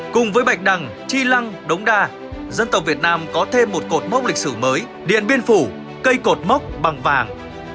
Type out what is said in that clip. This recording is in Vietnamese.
cùng với bạch đằng chi lăng đống đa dân tộc việt nam có thêm một cột mốc lịch sử mới điện biên phủ cây cột mốc bằng vàng